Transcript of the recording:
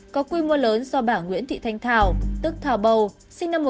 có quy mô lớn do bà nguyễn thị thanh thảo tức thảo bầu sinh năm một nghìn chín trăm tám mươi